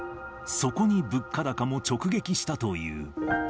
そこに物価高も直撃したという。